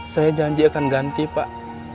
saya janji akan ganti pak